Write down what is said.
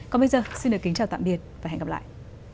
còn bây giờ xin được kính chào tạm biệt và hẹn gặp lại